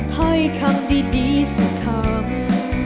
ให้คำดีสักคำ